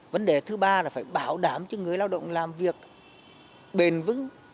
vấn đề thứ ba là phải bảo đảm cho người lao động làm việc bền vững